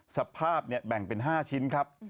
สภาพแบ่งเป็น๕ชิ้นครับ